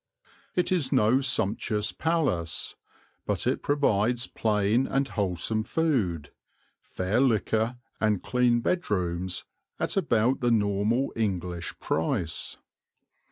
It is no sumptuous palace, but it provides plain and wholesome food, fair liquor, and clean bedrooms at about the normal English price.